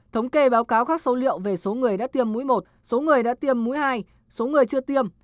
thống kê báo cáo các số liệu về số người đã tiêm mũi một số người đã tiêm mũi hai số người chưa tiêm